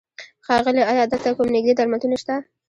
ښاغيله! ايا دلته کوم نيږدې درملتون شته؟